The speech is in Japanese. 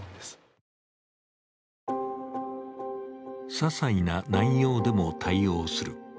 ささいな内容でも対応する。